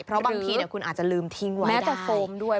เพราะบางทีคุณอาจจะลืมทิ้งไว้ได้